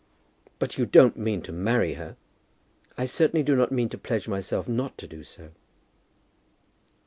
"But you don't mean to marry her?" "I certainly do not mean to pledge myself not to do so."